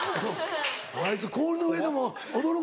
あいつ氷の上でも『踊る！